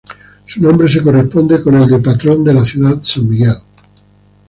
Su nombre se corresponde con el del patrón de la ciudad: San Miguel.